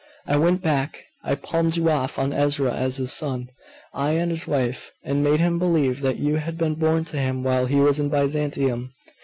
I went back. I palmed you off on Ezra as his son, I and his wife, and made him believe that you had been born to him while he was in Byzantium